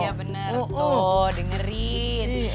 iya bener tuh dengerin